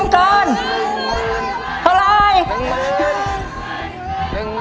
เท่าไรน้องก่อน